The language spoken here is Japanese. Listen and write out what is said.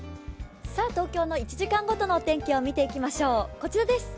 東京の１時間ごとのお天気を見ていきましょう、こちらです。